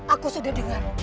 aku sudah dengar